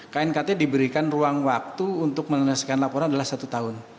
knkt diberikan ruang waktu untuk menyelesaikan laporan adalah satu tahun